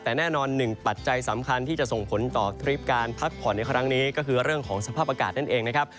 แต่แน่นอนหนึ่งปัจจัยสำคัญที่จะส่งผลต่อทริปการพักผ่อนในครั้งนี้ก็คือเรื่องของสภาพอากาศนั่นเองนะครับ